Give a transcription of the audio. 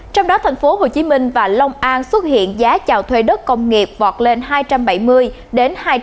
trong đó tp hcm và long an xuất hiện giá chào thuê đất công nghiệp vọt lên hai trăm bảy mươi hai trăm chín mươi usd